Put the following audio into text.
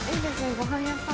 ごはん屋さん。